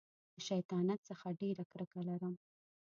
له شیطانت څخه ډېره کرکه لرم.